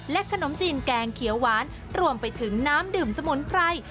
ขนมจีนแกงเขียวหวานรวมไปถึงน้ำดื่มสมุนไพร